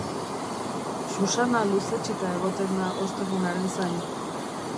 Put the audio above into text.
Susana luzetsita egoten da ostegunaren zain.